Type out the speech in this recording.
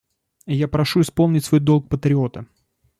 Я прошу исполнить свой долг патриота.